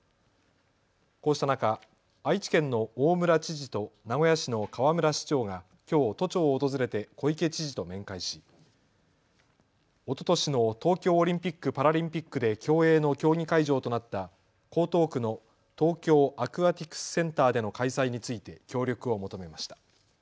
こうした中、愛知県の大村知事と名古屋市の河村市長がきょう都庁訪れて小池知事と面会しおととしの東京オリンピック・パラリンピックで競泳の競技会場となった江東区の東京アクアティクスセンターでの開催について協力を求めました。